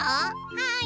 はい。